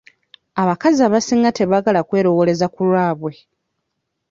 Abakazi abasinga tebaagala kwerowooleza ku lwabwe.